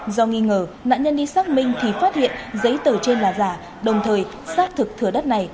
do nghi ngờ nạn nhân đi xác minh thì phát hiện giấy tờ trên là giả đồng thời xác thực thừa đất này